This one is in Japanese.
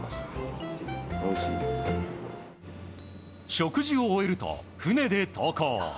食事を終えると船で登校。